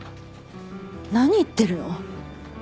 何言ってるの？